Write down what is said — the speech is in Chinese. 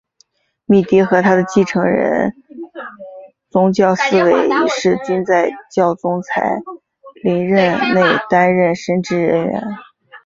米迪和他的继任人教宗思维一世均在教宗才林任内担任神职人员。